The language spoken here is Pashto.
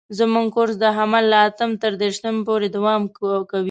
زموږ کورس د حمل له اتم تر دېرشم پورې دوام کوي.